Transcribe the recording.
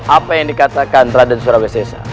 apa yang dikatakan raden surabaya sesa